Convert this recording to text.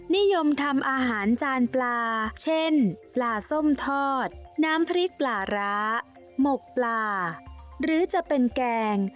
นิยมทำอาหารจานปลาเช่นปลาส้มทอดน้ำพริกปลาร้าหมกปลาหรือจะเป็นแกง